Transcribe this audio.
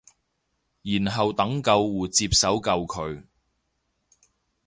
然後等救護接手救佢